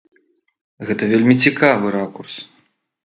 Гэта вельмі цікавы ракурс.